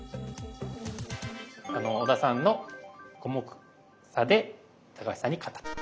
小田さんの５目差で橋さんに勝ったと。